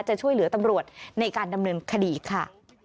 จะช่วยเหลือตำรวจในการดำเนินคดีค่ะ